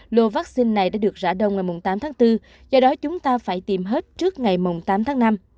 lô vaccine này đã được rã đông ngày tám tháng bốn do đó chúng ta phải tìm hết trước ngày tám tháng năm